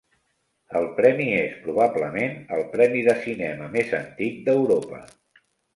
El premi és probablement el Premi de cinema més antic d'Europa.